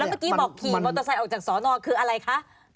แล้วเมื่อกี้บอกผีมอเตอร์ไซด์ออกจากสอนรด้วยคืออะไรคะ